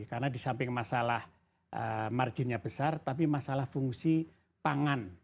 karena di samping masalah marginnya besar tapi masalah fungsi pangan